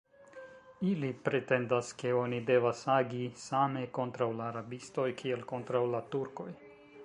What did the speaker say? Ili pretendas, ke oni devas agi same kontraŭ la rabistoj, kiel kontraŭ la Turkoj.